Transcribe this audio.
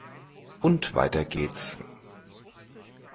Und weiter geht's!